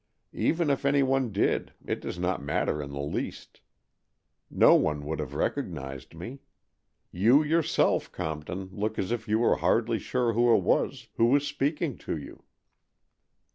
Even if any one did, it does not matter in the least. No one would have recognized me. You yourself, Compton, look as if you were hardly sure who it was who was speaking to you."